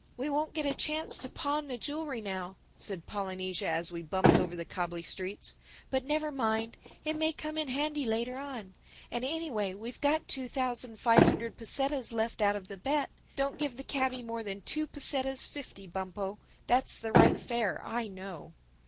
"We won't get a chance to pawn the jewelry now," said Polynesia, as we bumped over the cobbly streets. "But never mind—it may come in handy later on. And anyway we've got two thousand five hundred pesetas left out of the bet. Don't give the cabby more than two pesetas fifty, Bumpo. That's the right fare, I know."